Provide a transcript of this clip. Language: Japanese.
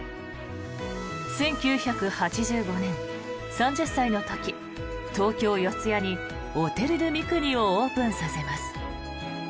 １９８５年、３０歳の時東京・四ツ谷にオテル・ドゥ・ミクニをオープンさせます。